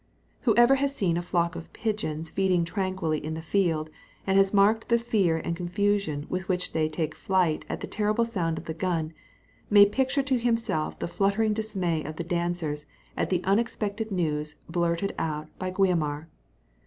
Whoever has seen a flock of pigeons feeding tranquilly in the field, and has marked the fear and confusion with which they take flight at the terrible sound of the gun, may picture to himself the fluttering dismay of the dancers at the unexpected news blurted out by Guiomar.